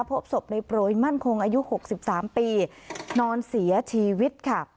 พบศพในโปรยมั่นคงอายุ๖๓ปีนอนเสียชีวิตค่ะ